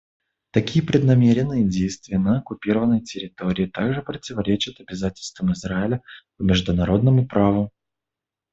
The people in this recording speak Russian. Такие преднамеренные действия на оккупированной территории также противоречат обязательствам Израиля по международному праву».